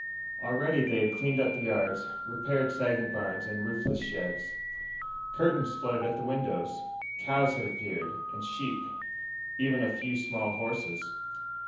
Already they had cleaned up the yards, repaired sagging barns and roofless sheds. Curtains fluttered at the windows. Cows had appeared, and sheep, even a few horses.